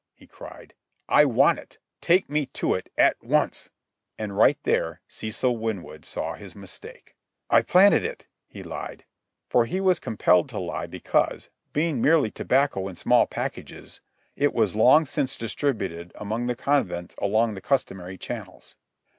he cried. "I want it. Take me to it at once." And right there Cecil Winwood saw his mistake. "I planted it," he lied—for he was compelled to lie because, being merely tobacco in small packages, it was long since distributed among the convicts along the customary channels.